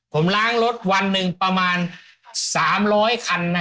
ผมล้างรถวันหนึ่งประมาณ๓๐๐คันนะ